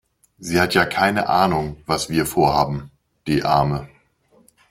Sie hat ja keine Ahnung was wir Vorhaben. Die Arme.